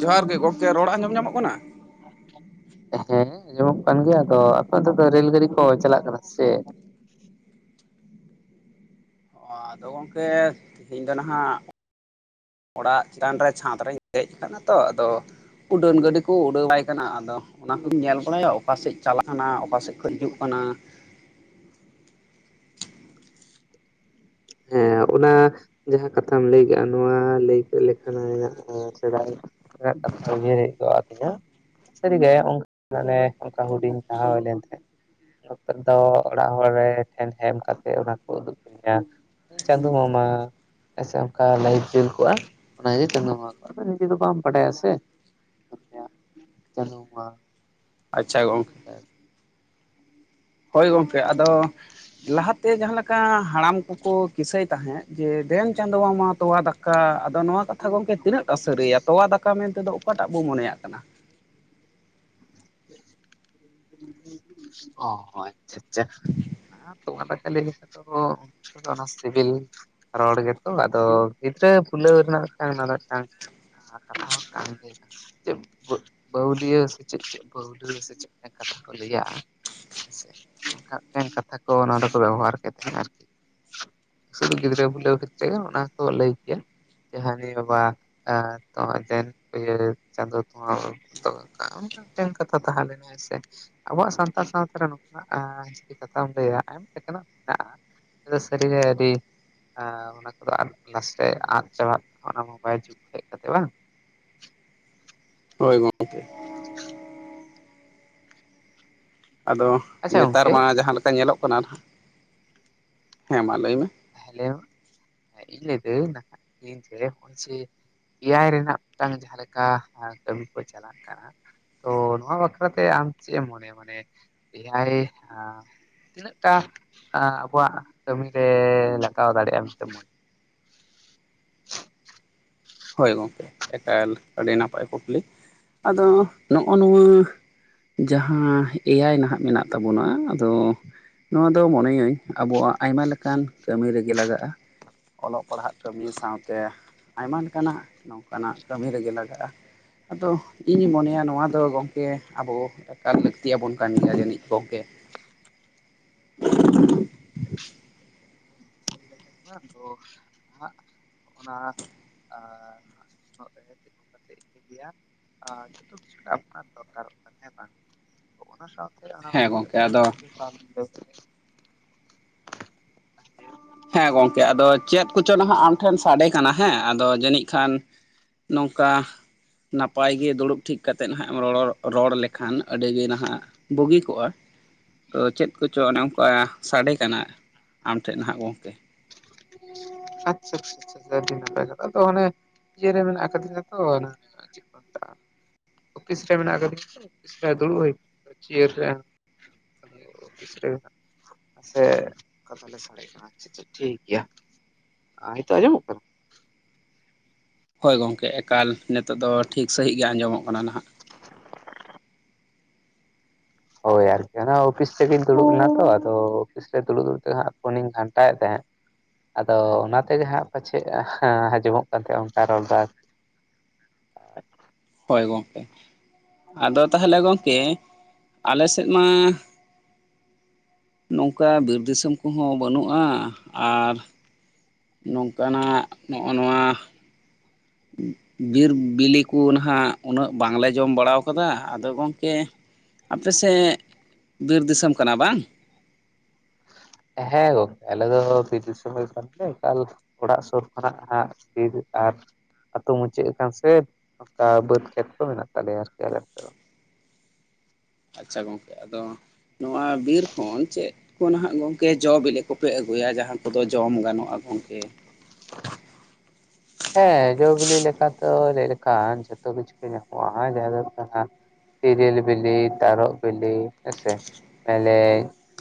ᱡᱚᱦᱟᱨ ᱜᱮ ᱜᱚᱝᱠᱮ ᱨᱚᱲ ᱟᱸᱡᱚᱢ ᱧᱟᱢᱚᱜ ᱠᱟᱱᱟ ᱦᱮᱸ ᱟᱸᱡᱚᱢᱚᱜ ᱠᱟᱱ ᱜᱮᱭᱟ ᱟᱫᱚ ᱟᱯᱮ ᱫᱚ ᱯᱮ ᱨᱮᱞ ᱜᱟᱹᱰᱤ ᱠᱚ ᱪᱟᱞᱟᱜ ᱠᱟᱱᱟ ᱥᱮᱪᱮᱫ? ᱟᱸ ᱟᱫᱚ ᱜᱚᱝᱠᱮ ᱛᱤᱦᱤᱧ ᱫᱚ ᱱᱟᱦᱟᱜ ᱚᱲᱟᱜ ᱪᱮᱛᱟᱱ ᱨᱮ ᱪᱷᱟᱸᱫᱽ ᱨᱮᱧ ᱫᱮᱡ ᱟᱠᱟᱱᱟ ᱛᱚ ᱟᱫᱚ ᱩᱰᱟᱹᱱ ᱜᱟᱹᱰᱤ ᱠᱚ ᱩᱰᱟᱹᱣ ᱵᱟᱲᱟᱭ ᱠᱟᱱᱟ ᱟᱫᱚ ᱚᱱᱟ ᱠᱩᱞᱤᱧ ᱧᱮᱞ ᱵᱟᱲᱟᱭᱟ ᱚᱠᱟᱥᱮᱫ ᱪᱟᱞᱟᱜ ᱠᱟᱱᱟ ᱚᱠᱟᱥᱮᱫ ᱠᱷᱚᱡ ᱦᱤᱡᱩᱜ ᱠᱟᱱᱟ, ᱦᱮᱸ ᱚᱱᱟ ᱡᱟᱦᱟᱸ ᱠᱟᱛᱷᱟᱢ ᱞᱟᱹᱭ ᱠᱮᱜᱼᱟ ᱱᱚᱣᱟ ᱞᱟᱹᱭ ᱠᱮᱫ ᱞᱮᱠᱷᱟᱱ ᱦᱟᱹᱜ ᱥᱮᱬᱟᱭ ᱮᱫ ᱤᱭᱟᱹᱭ ᱦᱮᱡ ᱟᱹᱛᱤᱧᱟ [unintelligible] ᱥᱟᱹᱨᱤᱜᱮ ᱚᱝᱱᱠ ᱢᱟᱱᱮ ᱚᱱᱠᱟ ᱦᱩᱰᱤᱧ ᱛᱟᱸᱦᱮ ᱞᱮᱱ ᱠᱷᱟᱡ, ᱱᱚᱛᱮ ᱫᱚ ᱚᱲᱟᱜ ᱦᱚᱲ ᱨᱮ ᱴᱷᱮᱱ ᱥᱮᱱ ᱠᱟᱛᱮᱫ ᱚᱱᱟ ᱠᱚ ᱩᱫᱩᱜ ᱠᱤᱫᱤᱧᱟᱢ ᱪᱟᱸᱫᱩ ᱢᱟᱢᱟ ᱦᱮᱸ ᱥᱮ ᱚᱱᱠᱟ ᱞᱟᱹᱭ ᱩᱪᱩᱣ ᱠᱟᱜᱼᱟ᱾ ᱚᱱᱟᱜᱮ ᱪᱟᱸᱫᱚ [unintelligible] ᱟᱫᱚ ᱱᱤᱡᱮ ᱫᱚ ᱵᱟᱢ ᱵᱟᱰᱟᱭᱟ ᱥᱮ [unintelligible] ᱪᱟᱸᱫᱩ ᱵᱚᱸᱜᱟ ᱟᱪᱪᱷᱟ ᱜᱚᱝᱠᱮ ᱦᱳᱭ ᱜᱚᱢᱠᱮ ᱟᱫᱚ ᱞᱟᱦᱟᱛᱮ ᱡᱟᱦᱟᱸ ᱞᱮᱠᱟ ᱠᱟ ᱦᱟᱲᱟᱢ ᱠᱚᱠᱚ ᱠᱤᱥᱟᱹᱭ ᱛᱟᱦᱮᱸᱫ ᱡᱮ ᱫᱮᱱ ᱪᱟᱸᱫᱩ ᱢᱟᱢᱟ ᱛᱚᱣᱟ ᱫᱟᱠᱟ ᱟᱫᱚ ᱱᱚᱣᱟ ᱠᱟᱛᱷᱟ ᱜᱚᱝᱠᱮ ᱛᱤᱱᱟᱹᱜ ᱴᱟ ᱥᱟᱹᱨᱤᱭᱟ ᱛᱚᱣᱟ ᱫᱟᱠᱟ ᱢᱮᱱᱛᱮᱫᱚ ᱚᱠᱟᱴᱟᱜ ᱵᱚ ᱢᱚᱱᱮᱭᱟᱜ ᱠᱟᱱᱟ? [unintelligible] ᱟᱪᱪᱷᱟ ᱟᱪᱪᱷᱟ ᱛᱚᱣᱟ ᱫᱟᱠᱟ ᱞᱟᱹᱭ ᱞᱮᱠᱷᱟᱡ ᱫᱚ ᱚᱱᱟ ᱥᱤᱵᱤᱞ ᱨᱚᱲ ᱜᱮᱛᱚ ᱟᱫᱚ ᱜᱤᱫᱽᱨᱟᱹ ᱵᱷᱩᱞᱟᱹᱣ ᱨᱮᱱᱟᱜ ᱢᱤᱫᱴᱟᱝ ᱚᱱᱟ ᱫᱚ ᱢᱤᱫᱴᱟᱝ [unintelligible] [unintelligible] ᱪᱮᱫ ᱠᱟᱛᱷᱟ ᱠᱚ ᱞᱟᱹᱭᱟ [unintelligible] ᱠᱟᱛᱷᱟ ᱠᱚ ᱱᱚᱸᱵᱮ ᱠᱚ ᱵᱮᱵᱚᱦᱟᱨ ᱠᱮᱫ ᱛᱟᱦᱮᱸᱱᱟ ᱟᱨᱠᱤ ᱥᱩᱫᱩ ᱜᱤᱫᱽᱨᱟᱹ ᱵᱩᱞᱟᱹᱣ ᱠᱷᱮᱛᱮᱫ ᱜᱮ ᱚᱱᱟᱠᱚ ᱞᱟᱹᱭ ᱠᱮᱭᱟ ᱡᱟᱸᱜᱟ ᱦᱮᱸ ᱵᱟᱵᱟ ᱟᱨ ᱛᱚᱣᱟ ᱫᱮᱱ ᱤᱭᱟᱹ ᱪᱟᱸᱫᱳ ᱛᱚᱣᱟ [unintelligible] ᱢᱤᱫᱴᱮᱱ ᱠᱟᱛᱷᱟ ᱛᱟᱦᱮᱸ ᱞᱮᱱᱟᱭ ᱥᱮ ᱟᱵᱚᱣᱟᱜ ᱥᱟᱣ- [unintelligible] ᱡᱩᱫᱤ ᱠᱟᱛᱷᱟᱢ ᱞᱟᱹᱭᱟ, [unintelligible] ᱥᱟᱹᱨᱤ ᱜᱮ ᱟᱹᱰᱤ ᱟᱨ ᱚᱱᱟ ᱠᱚᱫᱚ ᱟᱫ ᱱᱟᱥᱮ ᱟᱫ ᱪᱟᱵᱟᱜ ᱚᱱᱟ ᱢᱳᱵᱟᱭᱤᱞ ᱡᱩᱜᱽ ᱦᱮᱡ ᱠᱟᱛᱮ ᱵᱟᱝ ᱦᱳᱭ ᱜᱚᱢᱠᱮ ᱟᱫᱚ ᱟᱪᱪᱷᱟ ᱱᱮᱛᱟᱨ ᱜᱚᱝᱠᱮ ᱢᱟ ᱡᱟᱦᱟᱸ ᱞᱮᱠᱟ ᱧᱮᱞᱚᱜ ᱠᱟᱱᱟ ᱱᱟᱦᱟᱜ, ᱦᱮᱸ ᱢᱟ ᱞᱟᱹᱭ ᱢᱮ ᱦᱮᱞᱮ ᱤᱧ ᱞᱟᱹᱭ ᱫᱟᱹᱲ [unintelligible] [unintelligible] ᱮᱭᱟᱭ ᱨᱮᱱᱟᱜ ᱢᱤᱫᱴᱟᱝ ᱡᱟᱦᱟᱸ ᱞᱮᱠᱟ ᱠᱟᱹᱢᱤ ᱠᱚ ᱪᱟᱞᱟᱜ ᱠᱟᱱᱟ ᱛᱚ ᱱᱚᱣᱟ ᱵᱟᱠᱷᱨᱟᱛᱮ ᱟᱢ ᱪᱮᱼᱮᱢ ᱢᱚᱱᱮᱭᱟ ᱢᱟᱱᱮ ᱮᱭᱟᱭ ᱛᱤᱱᱟᱹᱜᱴ ᱟᱵᱚᱣᱟᱜ ᱠᱟᱹᱢᱤ ᱨᱮ ᱞᱟᱜᱟᱣ ᱫᱟᱲᱮᱭᱟᱜᱼᱟ ᱢᱮᱱᱛᱮ ᱢᱚᱡᱽ [inaudible] ᱦᱳᱭ ᱜᱚᱝᱠᱮ ᱮᱠᱟᱞ ᱟᱹᱰᱤ ᱱᱟᱯᱟᱭ ᱠᱩᱠᱞᱤ ᱟᱫᱚ ᱱᱚᱜᱼᱚ ᱱᱚᱣᱟ ᱡᱟᱦᱟᱸ ᱮᱭᱟᱭ ᱱᱟᱦᱟᱜ ᱢᱮᱱᱟᱜ ᱛᱟᱵᱚᱱᱟ ᱟᱫᱚ ᱤᱧ ᱫᱚ ᱢᱚᱱᱮᱭᱟᱹᱧ ᱟᱵᱚᱣᱟᱜ ᱟᱭᱢᱟ ᱞᱮᱠᱟᱱ ᱠᱟᱹᱢᱤ ᱨᱮᱜᱮ ᱞᱟᱜᱟᱜᱼᱟ ᱚᱞᱚᱜ ᱯᱟᱲᱦᱟᱜ ᱠᱟᱹᱢᱤ ᱥᱟᱶᱛᱮ ᱟᱭᱢᱟ ᱞᱮᱠᱟᱱᱟᱜ ᱱᱚᱝᱠᱟᱱᱟᱜ ᱠᱟᱹᱢᱤ ᱨᱮᱜᱮ ᱞᱟᱜᱟᱜᱼᱟ ᱟᱫᱚ ᱤᱧᱤᱧ ᱢᱚᱱᱮᱭᱟ ᱱᱚᱣᱟ ᱫᱚ ᱜᱚᱝᱠᱮ ᱟᱵᱚ ᱮᱠᱟᱞ ᱞᱟᱹᱠᱛᱤᱭᱟᱵᱚᱱ ᱠᱟᱱ ᱜᱮᱭᱟ ᱡᱟᱹᱱᱤᱡ ᱜᱝᱚᱠᱮ [unintelligible] [unintelligible] ᱚᱱᱟ ᱥᱟᱣ- ᱦᱮᱸ ᱜᱚᱢᱠᱮ ᱟᱫᱚ [unintelligible] ᱦᱮᱸ ᱜᱚᱝᱠᱮ ᱟᱫᱚ ᱪᱮᱫ ᱠᱚᱪᱚ ᱱᱟᱦᱟᱜ ᱟᱢ ᱴᱷᱮᱱ ᱥᱟᱰᱮ ᱠᱟᱱᱟ ᱦᱮᱸ ᱟᱫᱚ ᱡᱟᱹᱱᱤᱡ ᱠᱷᱟᱱ ᱱᱚᱝᱠᱟ ᱱᱟᱯᱟᱭ ᱜᱮ ᱫᱩᱲᱩᱵ ᱴᱷᱤᱠ ᱠᱟᱛᱮᱫ ᱱᱟᱦᱟᱜ ᱮᱢ ᱨᱚᱲ ᱨᱚᱲ ᱞᱮᱠᱷᱟᱱ ᱟᱹᱰᱤᱜᱮ ᱱᱟᱦᱟᱼᱜ ᱵᱩᱜᱤ ᱠᱚᱜᱼᱟ ᱛᱚ ᱪᱮᱫ ᱠᱚᱪᱚ ᱚᱱᱮ ᱚᱱᱠᱟ ᱥᱟᱰᱮ ᱠᱟᱱᱟ ᱟᱢ ᱴᱷᱮᱱ ᱦᱟᱜ ᱜᱚᱝᱠᱮ ᱟᱪᱪᱷᱟ ᱟᱪᱷᱟ ᱟᱪᱪᱷᱟ ᱟ. ᱰᱤ ᱱᱟᱯᱟᱭ ᱠᱟᱛᱷᱟ ᱛᱚ ᱚᱱᱮ ᱤᱭᱟᱹᱨᱮ ᱢᱮᱱᱟᱜ ᱠᱟᱫᱤᱧᱟ ᱛᱚ ᱚᱱᱟ ᱪᱮᱫ ᱠᱚ ᱢᱮᱛᱟᱜᱼᱟ ᱚᱯᱷᱤᱥ ᱨᱮ ᱢᱮᱱᱟᱜ ᱠᱟᱫᱤᱧ ᱚᱯᱷᱤᱥ ᱨᱮ ᱫᱩᱲᱩᱵ ᱦᱩᱭ ᱪᱮᱭᱟᱨ ᱨᱮ ᱠᱟᱛᱷᱟ ᱞᱮ [unintelligible] ᱥᱟᱰᱮ ᱠᱟᱱᱟ ᱟᱪᱪᱷᱟ ᱴᱷᱤᱠ ᱜᱮᱭᱟ, ᱱᱤᱛᱚ ᱟᱸᱡᱚᱢ ᱠᱟᱱᱟ ᱦᱳᱭ ᱜᱚᱝᱠᱮ ᱮᱠᱟᱞ ᱱᱤᱛᱳᱜ ᱫᱚ ᱴᱷᱤᱠ ᱥᱟᱺᱦᱤᱡ ᱜᱮ ᱟᱸᱡᱚᱢᱚᱜ ᱠᱟᱱᱟ ᱱᱟᱦᱟᱜ ᱦᱳᱭ ᱟᱨᱠᱤ ᱚᱱᱟ ᱚᱯᱷᱤᱥ ᱥᱮᱜᱤᱧ ᱫᱩᱲᱩᱵ ᱞᱮᱱᱟ ᱛᱚ ᱟᱫᱚ ᱚᱯᱷᱤᱥ ᱨᱮ ᱫᱩᱲᱩ ᱫᱩᱲᱩᱵ ᱛᱮᱦᱟᱜ ᱯᱷᱳᱱᱤᱧ ᱜᱷᱟᱱᱴᱟᱭᱮᱫ ᱛᱟᱦᱮᱸᱫ ᱟᱫᱚ ᱚᱱᱟ ᱛᱮᱜᱮ ᱦᱟᱸᱜ ᱯᱟᱪᱮᱫ ᱟᱸᱡᱚᱢᱚᱜ ᱠᱟᱱ ᱛᱟᱦᱮᱸᱼᱟ ᱚᱱᱠᱟ ᱨᱚᱲ ᱫᱚ ᱦᱚᱭ ᱜᱚᱝᱠᱮ ᱟᱫᱚ ᱛᱟᱦᱟᱞᱮ ᱜᱚᱝᱠᱮ ᱟᱞᱮᱥᱮᱫ ᱢᱟ ᱱᱚᱝᱠᱟ ᱵᱤᱨ ᱫᱤᱥᱚᱢ ᱠᱚᱦᱚᱸ ᱵᱟᱹᱱᱩᱜᱼᱟ ᱟᱨ ᱱᱚᱝᱠᱟᱱᱟᱜ ᱱᱚᱜᱼᱚ ᱱᱚᱣᱟ ᱵᱤᱨ ᱵᱤᱞᱤ ᱠᱚ ᱱᱟᱦᱟᱜ ᱩᱱᱟᱹᱜ ᱵᱟᱝᱞᱮ ᱡᱚᱢ ᱵᱟᱲᱟᱣ ᱠᱟᱫᱟ ᱟᱫᱚ ᱜᱚᱝᱠᱮ ᱟᱯᱮ ᱥᱮᱫ ᱵᱤᱨ ᱫᱤᱥᱚᱢ ᱠᱟᱱᱟ ᱵᱟᱝ ᱦᱮᱸ ᱜᱚᱝᱠᱮ ᱟᱞᱮ ᱫᱚ ᱵᱤᱨ ᱫᱤᱥᱚᱢ ᱜᱮ ᱠᱟᱱ ᱛᱟᱞᱮᱭᱟ ᱮᱠᱟᱞ ᱚᱲᱟᱜ ᱥᱩᱨ ᱠᱷᱚᱱᱟᱜ ᱦᱟᱜ ᱵᱤᱨ ᱟᱨ ᱟᱹᱛᱩ ᱢᱩᱪᱟᱹᱫ ᱟᱠᱟᱱ ᱥᱮ ᱚᱱᱠᱟ ᱵᱟᱹᱫᱽ ᱠᱷᱮᱛ ᱠᱚ ᱢᱮᱱᱟᱜ ᱛᱟᱞᱮᱭᱟ ᱟᱨᱠᱤ ᱟᱞᱮ ᱱᱚᱛᱮ ᱫᱚ ᱟᱪᱪᱷᱟ ᱜᱚᱝᱠᱮ ᱟᱫᱚ ᱱᱚᱣᱟ ᱵᱤᱨ ᱠᱷᱚᱱ ᱪᱮᱫ ᱠᱚ ᱱᱟᱦᱟᱜ ᱜᱚᱝᱠᱮ ᱡᱚ ᱵᱤᱞᱤ ᱠᱚᱯᱮ ᱟᱹᱜᱩᱭᱟ ᱡᱟᱦᱟᱸ ᱠᱚᱫᱚ ᱡᱚᱢ ᱜᱟᱱᱚᱜᱼᱟ ᱜᱚᱝᱠᱮ ᱦᱮᱸ ᱡᱚᱼ ᱵᱤᱞᱤ ᱞᱮᱠᱟᱛᱮ ᱞᱟᱹᱭ ᱞᱮᱠᱷᱟᱱ ᱡᱚᱛᱚ ᱠᱤᱪᱷᱩ ᱜᱮ ᱧᱟᱢᱚᱜᱼᱟ ᱡᱟᱦᱟᱸ ᱫᱚ ᱦᱩᱭᱩᱜ ᱠᱟᱱᱟ ᱛᱤᱨᱤᱞ ᱵᱤᱞᱤ ᱛᱟᱨᱚᱵ ᱵᱤᱞᱤ ᱦᱮᱸ ᱥᱮ ᱢᱮᱨᱞᱮᱡ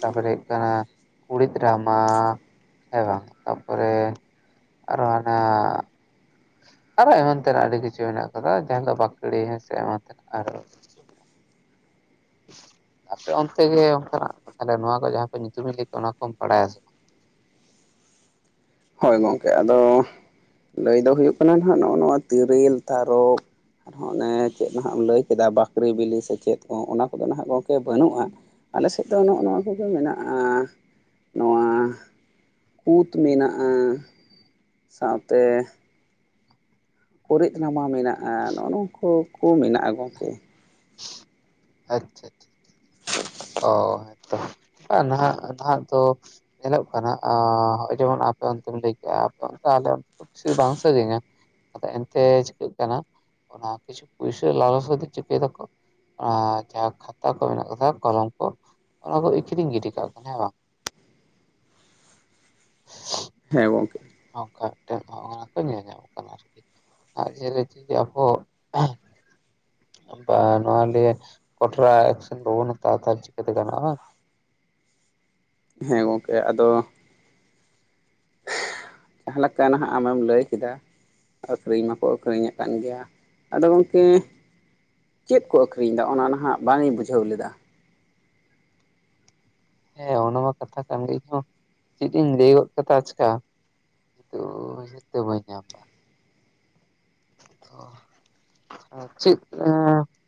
ᱛᱟᱯᱚᱨᱮ ᱦᱩᱭᱩᱜ ᱠᱟᱱᱟ ᱠᱩᱲᱤᱫ ᱨᱟᱢᱟ ᱦᱮᱸ ᱵᱟᱝ ᱛᱟᱨᱯᱚᱨᱮ ᱟᱨᱚ ᱦᱟᱱᱟ ᱟᱨᱚ ᱮᱢᱟᱱ ᱛᱮᱱᱟᱜ ᱟᱹᱰᱤ ᱠᱤᱪᱷᱩ ᱢᱮᱱᱟᱜ ᱠᱟᱫᱟ ᱡᱟᱦᱟᱸ ᱫᱚ ᱵᱟᱠᱲᱤ ᱦᱮᱥᱮ ᱮᱢᱟᱱ ᱛᱮᱱᱟᱜ ᱟᱯᱮ ᱚᱱᱛᱮ ᱜᱮ ᱚᱱᱠᱟᱱᱟᱜ ᱛᱟᱦᱚᱞᱮ ᱱᱚᱣᱟ ᱠᱚ ᱡᱟᱦᱟᱸ ᱠᱚ ᱧᱩᱛᱩᱢᱤᱧ ᱞᱟᱹᱭ ᱠᱮᱫ ᱚᱱᱟ ᱠᱚᱢ ᱵᱟᱲᱟᱭᱟ ᱥᱮ ᱵᱟᱝ ᱦᱳᱭ ᱜᱚᱝᱠᱮ ᱟᱫᱚ ᱞᱟᱹᱭ ᱫᱚ ᱦᱩᱭᱩᱜ ᱠᱟᱱᱟ ᱱᱟᱦᱟᱜ ᱱᱚᱜᱼᱚ ᱱᱚᱣᱟ ᱛᱤᱨᱤᱞ ᱛᱟᱨᱚᱵ ᱟᱨᱦᱚᱸ ᱚᱱᱮ ᱪᱮᱫ ᱦᱟᱜ ᱮᱢ ᱞᱟᱹᱭ ᱠᱮᱫᱟ ᱵᱟᱠᱨᱮ ᱵᱤᱞᱤ ᱥᱮ ᱪᱮᱫ ᱠᱚ ᱚᱱᱟ ᱠᱚᱫᱚ ᱦᱟᱜ ᱜᱚᱝᱠᱮ ᱵᱟᱹᱱᱩᱜᱼᱟ ᱟᱞᱮ ᱥᱮᱫ ᱫᱚ ᱱᱚᱜᱼᱚ ᱱᱚᱣᱟ ᱠᱚᱜᱮ ᱢᱮᱱᱟᱜᱼᱟ ᱱᱚᱣᱟ ᱠᱩᱛ ᱢᱮᱱᱟᱜ-ᱟ ᱥᱟᱶᱛᱮ ᱠᱚᱨᱤᱫ ᱨᱟᱢᱟ ᱢᱮᱱᱟᱜ-ᱟ ᱱᱚᱜ- ᱱᱚᱝᱠᱩ ᱠᱚ ᱢᱮᱱᱟᱜ-ᱟ ᱜᱚᱝᱠᱮ ᱟᱪᱪᱷᱟ ᱟᱪᱪᱷᱟ [unintelligible] ᱟᱨ ᱱᱟᱦᱟᱜ ᱱᱟᱦᱟᱜ ᱫᱚ ᱧᱮᱞᱚᱜ ᱠᱟᱱᱟᱜ ᱚᱻ ᱚᱜ ᱡᱮᱢᱚᱱ ᱟᱯᱮ ᱚᱱᱛᱮᱢ ᱞᱟᱹᱭ ᱠᱮᱫᱮᱜ-ᱟ ᱟᱯᱮ ᱚᱱᱛᱮ ᱟᱞᱮ ᱚᱱᱛᱮ ᱥᱮ ᱵᱟᱝ [unintelligible] ᱟᱫᱚ ᱮᱱᱛᱮ ᱪᱤᱠᱟᱹᱜ ᱠᱟᱱᱟ ᱚᱱᱟ ᱠᱤᱪᱷᱩ ᱯᱩᱭᱥᱟᱹ ᱞᱟᱞᱚᱪ ᱠᱚᱛᱮ ᱪᱤᱠᱟᱹᱭ ᱫᱟᱠᱚ ᱟ ᱡᱟᱦᱟᱸ ᱠᱷᱟᱛᱟ ᱠᱚ ᱢᱮᱱᱟᱜ ᱟᱠᱟᱫᱟ ᱠᱚᱞᱚᱢ ᱠᱚ ᱚᱱᱟ ᱠᱚ ᱟᱠᱷᱨᱤᱧ ᱜᱤᱰᱤ ᱠᱟᱜ ᱠᱟᱱᱟ ᱦᱮᱸ ᱵᱟᱝ ᱦᱮᱸ ᱜᱚᱢᱠᱮ ᱱᱚᱝᱠᱟ ᱢᱤᱫᱴᱮᱱ ᱚᱱ ᱚᱱᱟ ᱠᱚ ᱧᱮᱞ ᱧᱟᱢᱚᱜ ᱠᱟᱱᱟ ᱟᱨᱠᱤ ᱟᱨ [unintelligible] ᱵᱟ ᱱᱚᱣᱟ ᱞᱤᱭᱮ ᱠᱚᱴᱨᱟ ᱮᱠᱥᱮᱱ ᱵᱟᱵᱚᱱ ᱦᱟᱛᱟᱣᱟ ᱛᱟᱦᱚᱞᱮ ᱪᱤᱠᱟᱹᱛᱮ ᱜᱟᱱᱚᱜ-ᱟ ᱦᱮᱸ ᱜᱚᱝᱠᱮ ᱟᱫᱚ ᱡᱟᱦᱟᱸ ᱞᱮᱠᱟ ᱱᱟᱦᱟᱜ ᱟᱢᱮᱢ ᱞᱟᱹᱭ ᱠᱮᱫᱟ ᱟᱠᱷᱨᱤᱧ ᱢᱟᱠᱚ ᱟᱠᱷᱨᱤᱧ ᱟᱠᱟᱱ ᱜᱮᱭᱟ ᱟᱫᱚ ᱜᱚᱝᱠᱮ ᱪᱮᱫ ᱠᱚ ᱟᱹᱠᱷᱤᱨᱤᱧ ᱮᱫᱟ ᱚᱱᱟ ᱱᱟᱦᱟᱜ ᱵᱟᱝᱤᱧ ᱵᱩᱡᱷᱟᱹᱣ ᱞᱮᱫᱟ ᱦᱮᱸ ᱚᱱᱟ ᱢᱟ ᱠᱟᱛᱷᱟ ᱠᱟᱱ ᱜᱮ ᱤᱧᱦᱚᱸ ᱪᱮᱫ ᱤᱧ ᱞᱟᱹᱭ ᱜᱚᱫ ᱠᱟᱫᱟ ᱟᱪᱠᱟ ᱛᱚ ᱫᱤᱥᱟᱹ ᱵᱟᱹᱧ ᱧᱟᱢ ᱮᱫᱟ ᱛᱚ ᱪᱮᱫ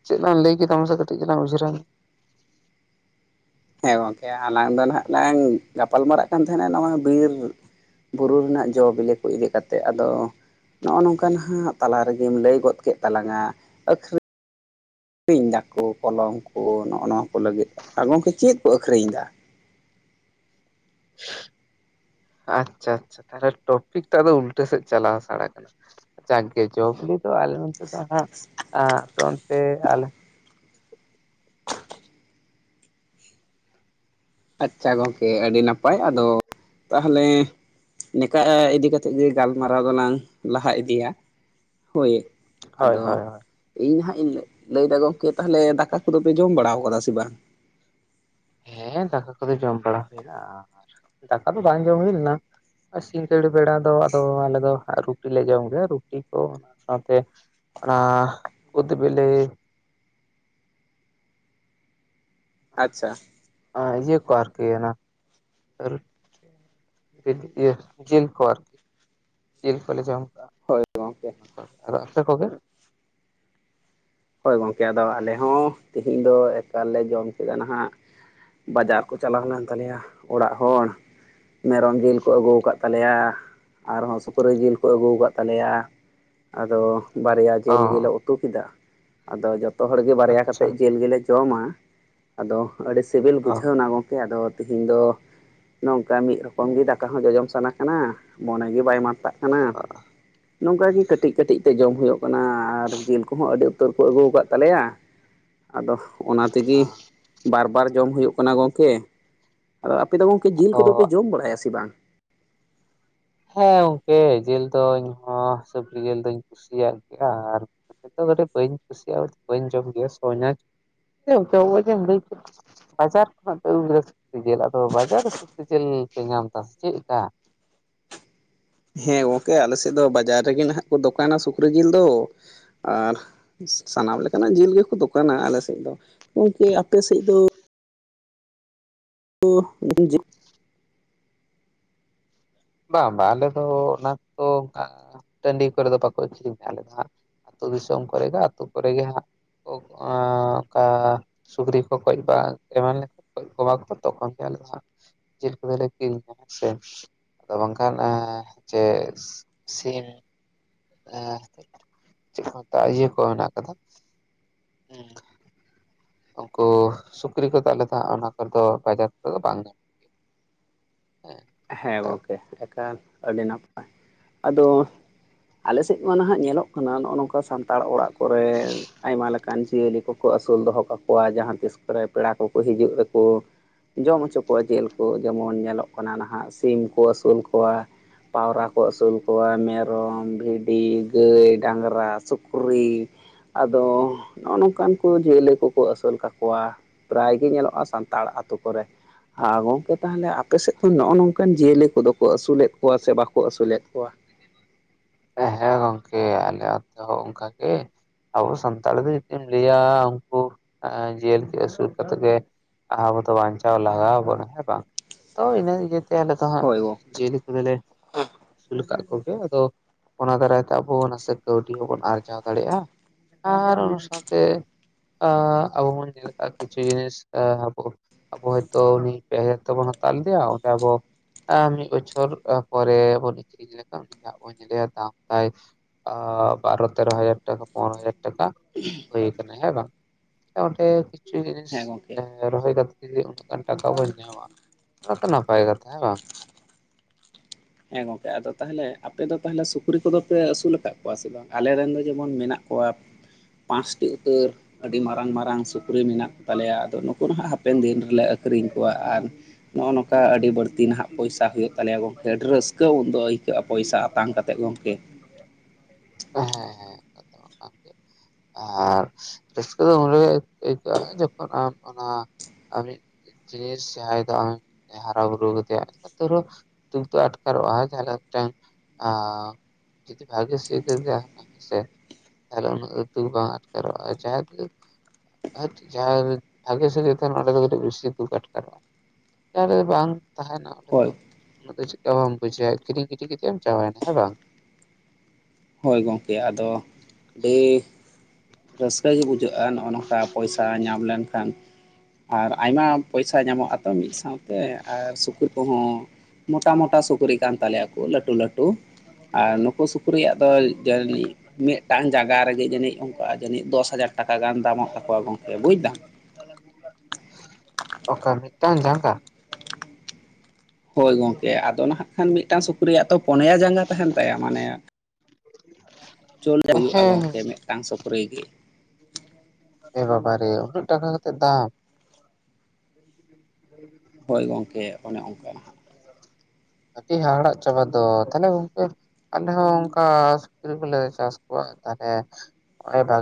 ᱪᱮᱫ ᱞᱟᱝ ᱞᱟᱹᱭ ᱠᱮᱫ ᱢᱟᱥᱮ ᱠᱟᱹᱴᱤᱡ ᱪᱟᱞᱟᱝ ᱩᱭᱦᱟᱹᱨᱟ ᱦᱮᱸ ᱜᱚᱝᱠᱮ ᱟᱞᱟᱝ ᱫᱚ ᱱᱟᱜ ᱞᱟᱝ ᱜᱟᱯᱟᱞ ᱢᱟᱨᱟᱜ ᱠᱟᱱ ᱛᱟᱦᱮᱸᱱᱟ ᱱᱚᱶᱟ ᱵᱤᱨ ᱵᱩᱨᱩ ᱨᱮᱱᱟᱜ ᱡᱚ ᱵᱤᱞᱤ ᱠᱚ ᱤᱫᱤ ᱠᱟᱛᱮᱜ ᱟᱫᱚ ᱱᱚᱜ-ᱚ ᱱᱚᱝᱠᱟ ᱱᱟᱸᱜ ᱛᱟᱞᱟ ᱨᱮᱜᱮᱢ ᱞᱟᱹᱭ ᱜᱚᱫ ᱠᱮᱫ ᱛᱟᱞᱟᱝᱟ ᱮᱠᱥᱩ ᱟᱠᱨᱤᱧᱫᱟ ᱠᱚ ᱠᱚᱞᱚᱢ ᱠᱚ ᱱᱚᱜ- ᱱᱚᱣᱟ ᱠᱚ ᱞᱟᱹᱜᱤᱫ, ᱟᱜᱚᱝᱠᱮ ᱪᱮᱫ ᱠᱚ ᱟᱹᱷᱨᱤᱧ ᱫᱟ? [unintelligible] ᱟᱪᱪᱷᱟ ᱟᱪᱪᱷᱟ ᱴᱟᱲᱮ ᱴᱚᱯᱤᱠ ᱴᱟᱜ ᱫᱚ ᱩᱞᱴᱟᱹ ᱥᱮᱫ ᱪᱟᱞᱟᱣ ᱥᱟᱲ ᱟᱠᱟᱱᱟ ᱾ ᱡᱟᱜ ᱜᱮ ᱡᱚᱵᱤᱠᱤ ᱯᱮ, ᱟᱞᱮ ᱦᱚᱸ ᱚᱱᱛᱮ ᱫᱚ ᱱᱟᱸᱜ, ᱟ ᱯᱮ ᱚᱸᱱᱛᱮ ᱟᱞᱮ ᱟᱪᱟ ᱜᱚᱝᱠᱮ ᱟᱹᱰᱤ ᱱᱟᱯᱟᱭ ᱟᱫᱚ ᱛᱟᱦᱚᱞᱮ ᱱᱮᱠᱟᱜ ᱤᱫᱤ ᱠᱟᱛᱮᱫ ᱜᱮ ᱜᱟᱞᱢᱟᱨᱟᱣ ᱫᱚᱞᱟᱝ ᱞᱟᱦᱟ ᱤᱫᱤᱭᱟ ᱦᱳᱭ ᱦᱳᱭ ᱟᱫᱚ ᱦᱳᱭ ᱦᱳᱭ ᱤᱧ ᱦᱟᱜ ᱤᱧ ᱞᱟᱹᱭ ᱫᱟ ᱜᱚᱝᱠᱮ ᱛᱟᱦᱚᱞᱮ ᱫᱟᱠᱟ ᱠᱚᱫᱚ ᱯᱮ ᱡᱚᱢ ᱵᱟᱲᱟ ᱠᱟᱫᱟ ᱥᱮ ᱵᱟᱝ ᱦᱮᱸ ᱫᱟᱠᱟ ᱠᱚᱫᱚ ᱡᱚᱢ ᱵᱟᱲᱟ ᱦᱩᱭᱱᱟ ᱟᱨ ᱫᱟᱠᱟ ᱫᱚ ᱵᱟᱝ ᱡᱚᱢ ᱦᱩᱭ ᱞᱮᱱᱟ ᱥᱤᱜᱟᱹᱲ ᱵᱮᱲᱟ ᱫᱚ ᱟᱫᱚ ᱟᱞᱮ ᱫᱚ ᱨᱩᱴᱤᱞᱮ ᱡᱚᱢ ᱜᱮᱭᱟ ᱨᱩᱴᱤ ᱠᱚ ᱚᱱᱟ ᱥᱟᱶᱛᱮ ᱚᱱᱟ ᱠᱩᱫᱽ ᱵᱤᱞᱤ ᱟᱪᱪᱷᱟ ᱟ ᱤᱭᱟᱹ ᱠᱚ ᱟᱨᱠᱤ ᱚᱱᱟ ᱟᱨᱩ [inaudible] ᱡᱤᱞ ᱠᱚ ᱟᱨᱠᱤ ᱡᱤᱞ ᱠᱚ ᱞᱮ ᱡᱚᱢ ᱦᱳᱭ ᱜᱚᱢᱠᱮ [unintelligible] ᱟᱨ ᱟᱯᱮ ᱠᱚᱜᱮ ᱦᱳᱭ ᱜᱚᱝᱠᱮ ᱟᱫᱚ ᱟᱞᱮ ᱦᱚᱸ ᱛᱤᱦᱤᱧ ᱫᱚ ᱮᱠᱟᱞᱮ ᱡᱚᱢ ᱠᱮᱫᱟ ᱱᱟᱦᱟᱜ ᱵᱟᱡᱟᱨ ᱠᱚ ᱪᱟᱞᱟᱣ ᱞᱮᱱ ᱛᱟᱞᱮᱭᱟ ᱚᱲᱟᱜ ᱦᱚᱲ ᱢᱮᱨᱚᱢ ᱡᱤᱞ ᱠᱚ ᱟᱹᱜᱩ ᱟᱠᱟᱫ ᱛᱟᱞᱮᱭᱟ ᱟᱨᱦᱚᱸ ᱥᱩᱠᱨᱤ ᱡᱤᱞ ᱠᱚ ᱟᱹᱜᱩ ᱟᱠᱟᱫ ᱛᱟᱞᱮᱭᱟ ᱟᱫᱚ ᱵᱟᱨᱭᱟ ᱚ ᱡᱤᱞ ᱜᱮᱞᱮ ᱩᱛᱩ ᱠᱮᱫᱟ ᱟᱫᱚ ᱡᱚᱛᱚ ᱦᱚᱲ ᱜᱮ ᱵᱟᱨᱭᱟ ᱟᱪᱪᱷᱟ ᱠᱟᱛᱮᱫ ᱡᱤᱞ ᱜᱮᱞᱮ ᱡᱚᱢᱟ ᱟᱫᱚ ᱟᱹᱰᱤ ᱥᱤᱵᱤᱞ ᱚ ᱵᱩᱡᱷᱟᱹᱣ ᱮᱱᱟ ᱜᱚᱝᱠᱮ ᱟᱫᱚ ᱛᱤᱦᱮᱧ ᱫᱚ ᱱᱚᱝᱠᱟ ᱢᱤᱫ ᱨᱚᱠᱚᱢ ᱜᱮ ᱫᱟᱠᱟ ᱦᱚᱸ ᱡᱚᱡᱚᱢ ᱥᱟᱱᱟ ᱠᱟᱱᱟ ᱢᱚᱱᱮ ᱜᱮ ᱵᱟᱭ ᱢᱟᱱ ᱛᱟᱜ ᱠᱟᱱᱟ ᱱᱚᱝᱠᱟ ᱜᱮ ᱠᱟᱹᱴᱤᱡ ᱠᱟᱹᱴᱤᱡ ᱛᱮ ᱡᱚᱢ ᱦᱩᱭᱩᱜ ᱠᱟᱱᱟ ᱟᱨ ᱡᱤᱞ ᱠᱚᱦᱚᱸ ᱟᱹᱰᱤ ᱩᱛᱟᱹᱨ ᱠᱚ ᱟᱹᱜᱩ ᱟᱠᱟᱫ ᱛᱟᱞᱮᱭᱟ ᱟᱫᱚ ᱚᱱᱟ ᱛᱮᱜᱮ ᱵᱟᱨ ᱵᱟᱨ ᱡᱚᱢ ᱦᱩᱭᱩᱜ ᱠᱟᱱᱟ ᱜᱚᱝᱠᱮ ᱟᱫᱚ ᱟᱯᱮ ᱫᱚ ᱜᱚᱢᱠᱮ ᱡᱤᱞ ᱟᱫᱚ ᱠᱚᱫᱚ ᱯᱮ ᱡᱚᱢ ᱵᱟᱲᱟᱭᱟ ᱥᱮ ᱵᱟᱝ? ᱦᱮᱸ ᱜᱚᱝᱠᱮ ᱡᱤᱞ ᱫᱚ ᱤᱧ ᱦᱚᱸ ᱦᱤᱥᱟᱹᱵᱽ ᱡᱤᱞ ᱫᱚᱧ ᱠᱩᱥᱤᱭᱟᱜ ᱜᱮᱭᱟ ᱟᱨ ᱡᱚᱛᱚ ᱠᱟᱹᱴᱤᱡ ᱵᱟᱹᱧ ᱠᱩᱥᱤᱭᱟᱜᱼᱟ ᱵᱟᱹᱧ ᱡᱚᱢ ᱜᱮᱭᱟ ᱥᱚ ᱧᱟ [unintelligible] ᱵᱟᱡᱟᱨ ᱠᱷᱚᱱᱟᱜ ᱯᱮ ᱟᱹᱜᱩ ᱠᱟᱫᱟ ᱥᱚᱠᱨᱤ ᱡᱤᱞ ᱟᱫᱚ ᱵᱟᱡᱟᱨ ᱨᱮ ᱥᱚᱠᱨᱤ ᱡᱤᱞ ᱯᱮ ᱧᱟᱢ ᱟ ᱥᱮ ᱪᱮᱫᱠᱟ ᱦᱮᱸ ᱜᱚᱢᱠᱮ ᱟᱞᱮ ᱥᱮᱫ ᱫᱚ ᱵᱟᱡᱟᱨ ᱨᱮᱜᱮ ᱱᱟᱦᱟᱜ ᱠᱚ ᱫᱚᱠᱟᱱᱟ ᱥᱩᱠᱨᱤ ᱡᱤᱞ ᱫᱚ ᱟᱨ ᱥᱟᱱᱟᱢ ᱞᱮᱠᱟᱱᱟᱜ ᱡᱤᱞ ᱜᱮᱠᱚ ᱫᱚᱠᱟᱱᱟ ᱟᱞᱮᱥᱮᱫ ᱫᱚ ᱜᱚᱝᱠᱮ ᱟᱯᱮᱥᱮᱫ ᱫᱚ [unintelligible] ᱵᱟᱝ ᱵᱟᱝ ᱟᱞᱮ ᱫᱚ ᱚᱱᱟ ᱠᱚᱫᱚ ᱵᱟᱝ ᱴᱟᱺᱰᱤ ᱠᱚᱨᱮ ᱫᱚ ᱵᱟᱠᱚ ᱟᱹᱠᱷᱨᱤᱧᱟ ᱟᱞᱮ ᱫᱚ ᱦᱟᱸᱜ ᱟᱹᱛᱩ ᱫᱤᱥᱚᱢ ᱠᱚᱨᱮ ᱜᱮ ᱟᱛᱳ ᱠᱚᱨᱮ ᱜᱮ ᱦᱟᱸᱜ ᱠᱚ ᱚᱱᱠᱟ ᱥᱩᱠᱨᱤ ᱠᱚ ᱜᱚᱡ ᱠᱚᱣᱟ ᱟᱨ ᱮᱢᱟ ᱞᱮᱠᱷᱟᱱ ᱜᱚᱡᱽ ᱠᱚᱣᱟ ᱠᱚ ᱛᱚᱠᱷᱚᱱ ᱜᱮ ᱟᱞᱮ ᱞᱮ ᱧᱟᱢᱼᱟ ᱪᱮᱫ [unintelligible] ᱦᱮᱸ ᱥᱮ ᱟᱫᱚ ᱵᱟᱝᱠᱷᱟᱱ ᱡᱮ ᱥᱤᱢ ᱮ ᱪᱮᱫ ᱢᱮᱛᱟᱜ ᱤᱭᱟᱹ ᱠᱚ ᱦᱮᱱᱟᱜ ᱟᱠᱟᱫᱟ ᱦᱩᱸ ᱩᱱᱠᱩ ᱥᱩᱠᱨᱤ ᱠᱚ ᱫᱚ ᱟᱞᱮ ᱫᱚ ᱦᱟᱜ ᱚᱱᱟ ᱠᱚᱫᱚ ᱵᱟᱡᱟᱨ ᱠᱚᱨᱮ ᱫᱚ ᱵᱟᱝ ᱜᱟᱱᱚᱜ ᱦᱮᱸ ᱦᱮᱸ ᱜᱚᱝᱠᱮ ᱮᱠᱷᱟᱱ ᱟᱹᱰᱤ ᱱᱟᱯᱟᱭ ᱟᱫᱚ ᱟᱞᱮ ᱥᱮᱫ ᱢᱟ ᱱᱟᱦᱟᱜ ᱧᱮᱞᱚᱜ ᱠᱟᱱᱟ ᱱᱚᱜᱼᱚ ᱱᱚᱝᱠᱟ ᱥᱟᱱᱛᱟᱲ ᱚᱲᱟᱜ ᱠᱚᱨᱮ ᱟᱭᱢᱟ ᱞᱮᱠᱟᱱ ᱡᱤᱭᱟᱹᱞᱤ ᱠᱚᱠᱚ ᱟᱹᱥᱩᱞ ᱫᱚᱦᱚ ᱠᱟᱠᱚᱣᱟ ᱡᱟᱦᱟᱸ ᱛᱤᱥ ᱠᱚᱨᱮ ᱯᱮᱲᱟ ᱠᱚᱠᱚ ᱦᱤᱡᱩᱜ ᱨᱮᱠᱚ ᱡᱚᱢ ᱦᱚᱪᱚ ᱠᱚᱣᱟ ᱡᱤᱞ ᱠᱚ ᱡᱮᱢᱚᱱ ᱧᱮᱞᱚᱜ ᱠᱟᱱᱟ ᱱᱟᱦᱟᱜ ᱥᱤᱢ ᱠᱚ ᱟᱹᱥᱩᱞ ᱠᱚᱣᱟ ᱯᱟᱣᱨᱟ ᱠᱚ ᱟᱹᱥᱩᱞ ᱠᱚᱣᱟ ᱢᱮᱨᱚᱢ ᱵᱷᱤᱰᱤ ᱜᱟᱹᱭ ᱰᱟᱝᱨᱟ ᱥᱩᱠᱨᱤ ᱟᱫᱚ ᱱᱚᱜᱼᱚ ᱱᱚᱝᱠᱟᱱ ᱠᱚ ᱡᱤᱭᱟᱹᱞᱤ ᱠᱚᱠᱚ ᱟᱹᱥᱩᱞ ᱠᱟᱠᱚᱣᱟ ᱯᱨᱟᱭ ᱜᱮ ᱧᱮᱞᱚᱜᱼᱟ ᱥᱟᱱᱛᱟᱲ ᱟᱛᱚ ᱠᱚᱨᱮ ᱟᱨ ᱜᱚᱝᱠᱮ ᱛᱟᱦᱚᱞᱮ ᱟᱯᱮ ᱥᱮᱫ ᱫᱚ ᱱᱚᱜᱼᱚ ᱱᱚᱝᱠᱟᱱ ᱡᱤᱭᱟᱹᱞᱤ ᱠᱚᱫᱚ ᱠᱚ ᱟᱹᱥᱩᱞᱮᱫ ᱠᱚᱣᱟ ᱥᱮ ᱵᱟᱠᱚ ᱟᱹᱥᱩᱞᱮᱫ ᱠᱚᱣᱟ [inaudible] ᱦᱮᱸ ᱦᱮᱸ ᱜᱚᱝᱠᱮ ᱟᱞᱮ ᱟᱛᱚ ᱦᱚᱸ ᱚᱱᱠᱟ ᱜᱮ ᱟᱵᱚ ᱥᱟᱱᱛᱟᱲ ᱫᱚ ᱡᱩᱫᱤᱢ ᱞᱟᱹᱭᱟ ᱩᱱᱠᱩ ᱟ ᱡᱤᱭᱟᱹᱞᱤ ᱟᱹᱥᱩᱞ ᱠᱟᱛᱮᱫ ᱜᱮ ᱟ ᱟᱵᱚ ᱫᱚ ᱵᱟᱧᱪᱟᱣ ᱞᱟᱜᱟᱣᱟᱵᱚᱱᱟ ᱦᱮᱸ ᱵᱟᱝ ᱛᱚ ᱤᱱᱟᱹ ᱤᱭᱟᱹᱛᱮ ᱟᱞᱮ ᱫᱚ ᱦᱟᱸᱜ ᱦᱳᱭ ᱜᱚ ᱡᱤᱣᱞᱤ ᱵᱮᱞᱮ ᱟᱹᱥᱩᱞ ᱟᱠᱟᱫ ᱠᱚᱜᱮ ᱟᱫᱚ ᱚᱱᱟ ᱫᱟᱨᱟᱭ ᱛᱮ ᱟᱵᱚ ᱱᱟᱥᱮ ᱠᱟᱹᱣᱰᱤ ᱦᱚᱸᱵᱚᱱ ᱟᱨᱡᱟᱣ ᱫᱟᱲᱮᱜᱼᱟ ᱟᱨ ᱚᱱᱟ ᱥᱟᱶᱛᱮ ᱟ ᱟᱵᱚ ᱵᱚᱱ ᱧᱮᱞ ᱠᱟᱜ ᱠᱤᱪᱷᱩ ᱡᱤᱱᱤᱥ ᱮ ᱟᱵᱚ ᱟᱵᱚ ᱦᱚᱭᱛᱚ ᱩᱱᱤ ᱯᱮ ᱦᱟᱡᱟᱨ ᱛᱮᱵᱚᱱ ᱦᱟᱛᱟᱣ ᱞᱮᱫᱮᱭᱟ ᱚᱸᱰᱮ ᱟᱵᱚ ᱟ ᱢᱤᱫ ᱵᱚᱪᱷᱚᱨ ᱛᱟᱯᱚᱨᱮ ᱵᱚᱱ ᱟᱹᱠᱷᱨᱤᱧ ᱞᱮᱠᱷᱟᱱ ᱩᱱᱤᱭᱟᱜ ᱵᱚᱱ ᱧᱮᱞᱮᱭᱟ ᱫᱟᱢ ᱛᱟᱭ ᱟ ᱵᱟᱨᱚ ᱛᱮᱨᱚ ᱦᱟᱡᱟᱨ ᱴᱟᱠᱟ ᱯᱚᱱ ᱦᱟᱡᱟᱨ ᱴᱟᱠᱟ ᱦᱩᱭ ᱟᱠᱟᱱᱟ ᱦᱮᱸ ᱵᱟᱝ ᱚᱱᱰᱮ ᱠᱤᱪᱷᱩ ᱡᱤᱱᱤᱥ ᱦᱮᱸ ᱜᱚᱝᱠᱮ ᱨᱚᱦᱚᱭ ᱠᱟᱛᱮ ᱚᱱᱠᱟᱱ ᱴᱟᱠᱟ ᱵᱚᱱ ᱧᱟᱢᱟ ᱚᱱᱟᱛᱚ ᱱᱟᱯᱟᱭ ᱠᱟᱛᱷᱟ ᱦᱮᱸ ᱵᱟᱝ ᱦᱮᱸ ᱜᱚᱝᱠᱮ ᱟᱫᱚ ᱛᱟᱦᱞᱮ ᱟᱯᱮ ᱫᱚ ᱛᱟᱦᱞᱮ ᱥᱩᱠᱨᱤ ᱠᱚᱫᱚ ᱯᱮ ᱟᱹᱥᱩᱞ ᱟᱠᱟᱫ ᱠᱚᱣᱟ ᱥᱮ ᱵᱟᱝ ᱟᱞᱮᱨᱮᱱ ᱫᱚ ᱡᱮᱢᱚᱱ ᱢᱮᱱᱟᱜ ᱠᱚᱣᱟᱜ ᱯᱟᱸᱪᱴᱤ ᱩᱛᱟᱹᱨ ᱟᱹᱰᱤ ᱢᱟᱨᱟᱝ ᱢᱟᱨᱟᱝ ᱥᱩᱠ ᱥᱩᱠᱨᱤ ᱢᱮᱱᱟᱜ ᱠᱚ ᱛᱟᱞᱮᱭᱟ ᱟᱫᱚ ᱱᱩᱠᱩ ᱢᱟ ᱦᱟᱸᱜ ᱦᱟᱯᱮᱱ ᱫᱤᱱ ᱞᱮ ᱟᱹᱠᱷᱨᱤᱧ ᱠᱚᱣᱟ ᱟᱨ ᱱᱚᱜᱼᱚ ᱱᱚᱝᱠᱟ ᱟᱹᱰᱤ ᱵᱟᱹᱲᱛᱤ ᱱᱟᱦᱟᱜ ᱯᱚᱭᱥᱟ ᱦᱩᱭᱩᱜ ᱛᱟᱞᱮᱭᱟ ᱜᱚᱝᱠᱮ ᱟᱹᱰᱤ ᱨᱟᱹᱥᱠᱟᱹ ᱩᱱᱫᱚ ᱟᱹᱭᱠᱟᱹᱜᱼᱟ ᱯᱚᱭᱥᱟ ᱟᱛᱟᱝ ᱠᱟᱛᱮᱫ ᱜᱚᱢᱠᱮ ᱦᱮᱸ ᱦᱮᱸ ᱠᱟᱛᱷᱟ ᱢᱟ ᱠᱟᱱ ᱜᱮ ᱟᱨ ᱨᱟᱹᱥᱠᱟᱹ ᱫᱚ ᱩᱱᱨᱮᱜᱮ ᱟᱹᱭᱠᱟᱹᱜᱼᱟ ᱡᱚᱠᱷᱚᱱ ᱟᱢ ᱚᱱᱟ ᱟᱢᱤᱡ ᱡᱮᱥ ᱡᱟᱦᱟᱸᱭ ᱫᱚ ᱟᱢ ᱦᱟᱨᱟ ᱵᱩᱨᱩ ᱠᱮᱫᱮᱭᱟ ᱛᱩᱨᱩ ᱫᱩᱠ ᱫᱚ ᱟᱴᱠᱟᱨᱚᱜᱼᱟ ᱡᱟᱦᱟᱸ ᱞᱮᱠᱟᱠᱟᱛᱮᱢ ᱟ ᱡᱩᱫᱤ ᱵᱷᱟᱜᱮ ᱥᱮᱫ ᱮ ᱫᱟᱹᱲ ᱠᱮᱫᱟ ᱟᱨ ᱩᱱᱟᱹᱜ ᱫᱚ ᱫᱩᱠ ᱵᱟᱝ ᱟᱴᱠᱟᱨᱚᱜᱼᱟ ᱡᱟᱦᱟᱸᱭᱟᱜ ᱛᱮ ᱟᱨ ᱡᱟᱦᱟᱸ ᱨᱮ ᱵᱷᱟᱜᱮ ᱥᱮᱫ ᱡᱚᱠᱷᱚᱱ ᱚᱸᱰᱮ ᱫᱚ ᱠᱟᱹᱴᱤᱡ ᱵᱮᱥᱤ ᱫᱩᱠ ᱟᱴᱠᱟᱨᱚᱜᱼᱟ ᱚᱠᱟᱨᱮ ᱵᱟᱝ ᱛᱟᱦᱮᱱᱟ ᱚᱸᱰᱮ ᱦᱳᱭ ᱫᱚ ᱩᱱᱟᱹᱜ ᱫᱚ ᱪᱮᱠᱟ ᱵᱟᱢ ᱵᱩᱡᱷᱟᱣᱟ ᱠᱤᱨᱤ ᱜᱤᱰᱤ ᱠᱟᱛᱮᱢ ᱪᱟᱵᱟᱭᱮᱱᱟ ᱦᱮᱸ ᱵᱟᱝ ᱦᱚᱭ ᱜᱚᱝᱠᱮ ᱟᱫᱚ ᱤ ᱨᱟᱹᱥᱠᱟᱹ ᱜᱮ ᱵᱩᱡᱷᱟᱹᱜᱼᱟ ᱱᱚᱜᱼᱚ ᱱᱚᱝᱠᱟ ᱯᱚᱭᱥᱟ ᱧᱟᱢ ᱞᱮᱱᱠᱷᱟᱱ ᱟᱨ ᱟᱭᱢᱟ ᱯᱚᱭᱥᱟ ᱧᱟᱢᱚᱜ-ᱟ ᱛᱚ ᱢᱤᱫ ᱥᱟᱶᱛᱮ ᱟᱨ ᱥᱩᱠᱨᱤ ᱠᱚᱦᱚᱸ ᱢᱚᱴᱟ ᱢᱚᱴᱟ ᱥᱩᱠᱨᱤ ᱠᱟᱱ ᱛᱟᱞᱮᱭᱟᱠᱚ ᱞᱟᱹᱴᱩ ᱞᱟᱹᱴᱩ ᱟᱨ ᱱᱩᱠᱩ ᱥᱩᱠᱨᱤ ᱛᱚᱞᱡᱟᱱᱤᱡ ᱢᱤᱫᱴᱟᱝ ᱡᱟᱭᱟ ᱨᱮᱜᱮ ᱡᱟᱹᱱᱤᱡ ᱚᱱᱠᱟ ᱡᱟᱹᱱᱤᱡ ᱫᱚᱥ ᱦᱟᱡᱟᱨ ᱴᱟᱠᱟ ᱜᱟᱱ ᱫᱟᱢᱚᱜ ᱛᱟᱠᱚᱣᱟ ᱜᱚᱝᱠᱮ ᱵᱩᱡᱽᱫᱟᱢ ᱥᱟᱞᱟᱜ ᱜᱩᱱᱰᱟ ᱚᱠᱟ ᱢᱤᱫ ᱴᱟᱝ ᱡᱟᱸᱜᱟ ᱦᱚᱭ ᱜᱚᱝᱠᱮ ᱟᱫᱚ ᱱᱟᱦᱟᱜ ᱠᱷᱟᱱ ᱢᱤᱫᱴᱟᱝ ᱥᱩᱠᱨᱤᱭᱟᱜ ᱛᱚ ᱯᱚᱱᱭᱟ ᱡᱟᱸᱜᱟ ᱛᱟᱦᱮᱱ ᱛᱟᱭᱟ ᱢᱟᱱᱮ ᱪᱚᱞ ᱦᱮᱸ ᱦᱩᱭᱩᱜᱼᱟ ᱦᱮᱸ ᱜᱚᱢᱠᱮ ᱢᱤᱫᱴᱟᱝ ᱥᱩᱠᱨᱤ ᱜᱮ ᱮ ᱵᱟᱵᱟᱨᱮ ᱩᱱᱟᱹᱜ ᱴᱟᱠᱟ ᱠᱟᱛᱮ ᱫᱟᱢ [inaudible] [inaudible] ᱦᱚᱭ ᱜᱚᱝᱠᱮ ᱚᱱᱮ ᱚᱱᱠᱟ ᱱᱟᱦᱟᱸᱜ ᱟᱹᱰᱤ ᱦᱟᱦᱟᱲᱟᱜ ᱪᱟᱵᱟ ᱫᱚ ᱛᱷᱟᱞᱮ ᱜᱚᱝᱠᱮ ᱟᱞᱮ ᱦᱚᱸ ᱚᱱᱠᱟ ᱥᱩᱠᱨᱤ ᱠᱚᱞᱮ ᱪᱟᱥ ᱠᱚᱣᱟ ᱮᱱᱠᱷᱟᱱ ᱦᱮᱸ ᱱᱚᱜᱚᱭ ᱵᱷᱟᱜ